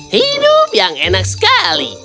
hidup yang enak sekali